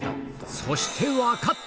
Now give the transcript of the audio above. そして、分かった！